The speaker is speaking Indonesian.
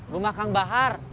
rumah kang bahar